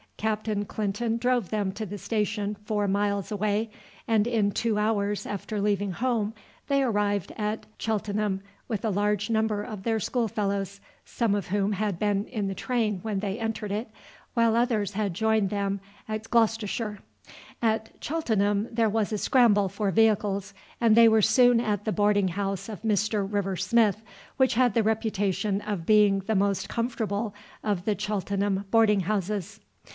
Captain Clinton drove them to the station four miles away, and in two hours after leaving home they arrived at Cheltenham with a large number of their school fellows, some of whom had been in the train when they entered it, while others had joined them at Gloucester. At Cheltenham there was a scramble for vehicles, and they were soon at the boarding house of Mr. River Smith, which had the reputation of being the most comfortable of the Cheltenham boarding houses.